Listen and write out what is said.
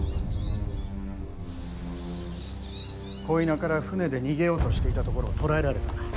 鯉名から舟で逃げようとしていたところを捕らえられた。